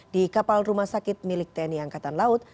di kapal rumah sakit milik tni angkatan laut